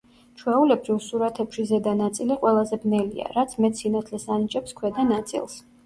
ჩვეულებრივ, სურათებში ზედა ნაწილი ყველაზე ბნელია, რაც მეტ სინათლეს ანიჭებს ქვედა ნაწილს.